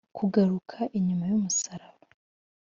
kugaruka inyuma yumusaraba.